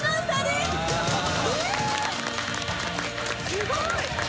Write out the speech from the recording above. すごい！